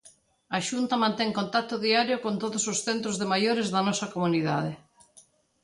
A Xunta mantén contacto diario con todos os centros de maiores da nosa comunidade.